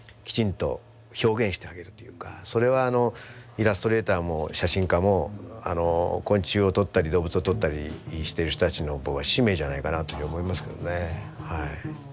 それはイラストレーターも写真家も昆虫をとったり動物をとったりしてる人たちの僕は使命じゃないかなというふうに思いますけどね。